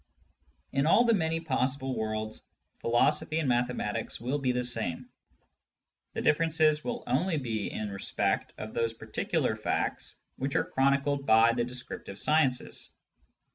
In all the many possible worlds, philosophy and mathematics will be the same ; the differences will only be in respect of those particular facts which are chronicled by the descrip tive sciences.